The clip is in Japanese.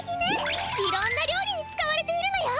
いろんなりょうりに使われているのよ。